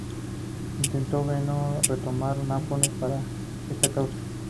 Intentó en vano retomar Nápoles para esta causa.